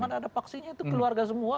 mana ada faksinya itu keluarga semua kok